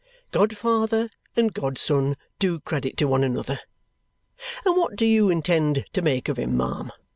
Godfather and godson do credit to one another. And what do you intend to make of him, ma'am?